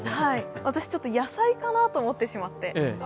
私、ちょっと野菜かなと思ってしまって。